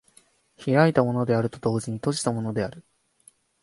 開いたものであると同時に閉じたものである。